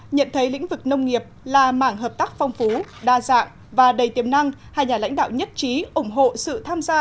nhận thấy lĩnh vực nông nghiệp là mảng hợp tác phong phú đa dạng và đầy tiềm năng hai nhà lãnh đạo nhất trí ủng hộ sự tham gia